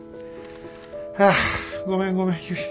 はあごめんごめんゆい。